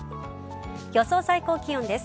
予想最高気温です。